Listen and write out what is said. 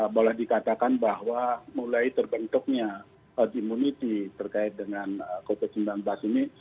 boleh dikatakan bahwa mulai terbentuknya herd immunity terkait dengan covid sembilan belas ini